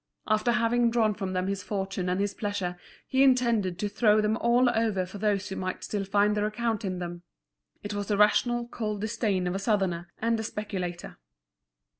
After having drawn from them his fortune and his pleasure, he intended to throw them all over for those who might still find their account in them. It was the rational, cold disdain of a Southerner and a speculator.